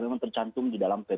memang tercantum di dalam